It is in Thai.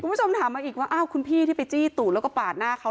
คุณผู้ชมถามมาอีกว่าอ้าวคุณพี่ที่ไปจี้ตูดแล้วก็ปาดหน้าเขา